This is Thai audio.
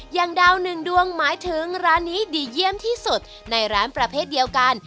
อย่างดาวหนึ่งดวงหมายถึงร้านนี้ดีเยี่ยมที่สุดในร้านประเภทเดียวกัน